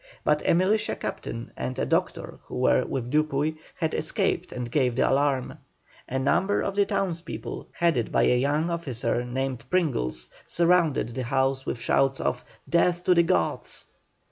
But a militia captain and a doctor who were with Dupuy, had escaped and gave the alarm. A number of the townspeople, headed by a young officer named Pringles, surrounded the house with shouts of "Death to the Goths."